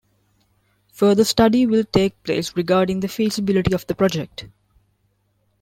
Further study will take place regarding the feasibility of the project.